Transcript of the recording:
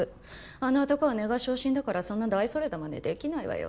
あの男は根が小心だからそんな大それたまねできないわよ。